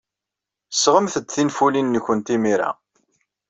Sɣemt-d tinfulin-nwent imir-a.